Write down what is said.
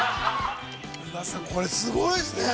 宇賀さん、これ、すごいっすね。